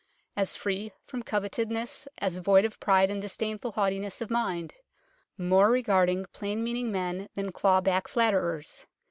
As free from covetousness as void of pride and disdainful haughtiness of mind : more regarding plain meaning men than claw back flatterers.